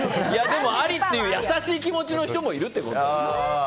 でも、ありっていう優しい気持ちの人もいるってことよ。